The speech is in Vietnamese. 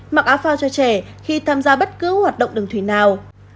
mặc áo phao cho trẻ khi tham gia bất cứ hoạt động đường thủy nào